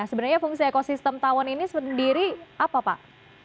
sebenarnya fungsi ekosistem tawon ini sendiri apa pak